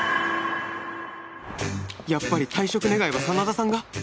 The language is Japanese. やっぱり退職願は真田さんが？